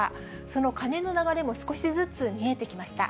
そのカネの流れも少しずつ見えてきました。